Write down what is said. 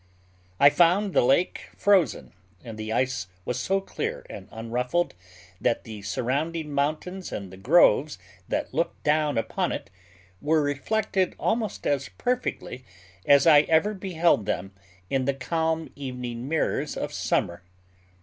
I found the lake frozen, and the ice was so clear and unruffled that the surrounding mountains and the groves that look down upon it were reflected almost as perfectly as I ever beheld them in the calm evening mirrors of summer.